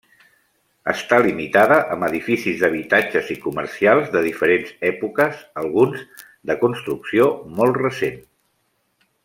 Està limitada amb edificis d'habitatges i comercials, de diferents èpoques; alguns de construcció molt recent.